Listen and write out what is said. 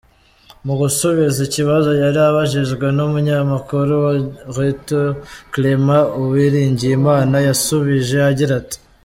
Mu gusubiza ikibazo yari abajijwe n’umunyamakuru wa Reuters, Clément Uwiringiyimana, yasubije agira ati: